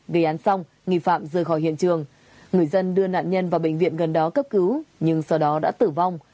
gây án xong nghi phạm rời khỏi hiện trường người dân đưa nạn nhân vào bệnh viện gần đó cấp cứu nhưng sau đó đã tử vong